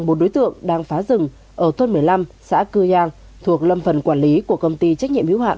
một đối tượng đang phá rừng ở thôn một mươi năm xã cư giang thuộc lâm phần quản lý của công ty trách nhiệm hiếu hạn